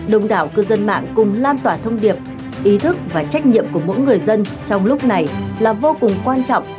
đồng đảo cư dân mạng cùng lan tỏa thông điệp ý thức và trách nhiệm của mỗi người dân trong lúc này là vô cùng quan trọng